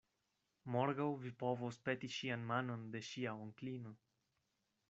Morgaŭ vi povos peti ŝian manon de ŝia onklino.